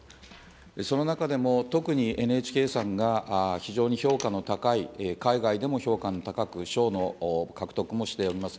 その中でも、特にＮＨＫさんが非常に評価の高い、海外でも評価の高く、賞の獲得もしております